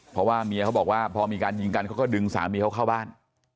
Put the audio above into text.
เพราะว่าเมียเขาบอกว่าพอมีการยิงกันเขาก็ดึงสามีเขาเข้าบ้าน